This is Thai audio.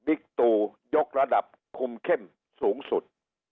ตูยกระดับคุมเข้มสูงสุด